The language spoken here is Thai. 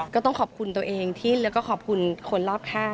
ก็ต้องขอบคุณตัวเองที่แล้วก็ขอบคุณคนรอบข้าง